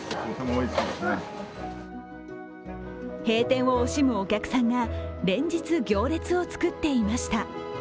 閉店を惜しむお客さんが連日、行列を作っていました。